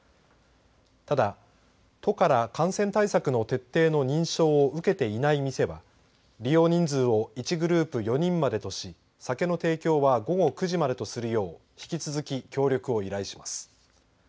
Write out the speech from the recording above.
ただ都から感染対策の徹底の認証を受けていない店は利用人数を１グループ４人までとし酒の提供は午後９時までとするよう引き続き、協力を依頼します。